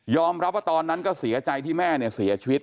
รับว่าตอนนั้นก็เสียใจที่แม่เนี่ยเสียชีวิต